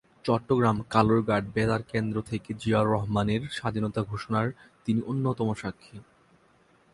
চট্টগ্রাম কালুরঘাট বেতার কেন্দ্র থেকে জিয়াউর রহমানের স্বাধীনতা ঘোষণার তিনি অন্যতম স্বাক্ষী।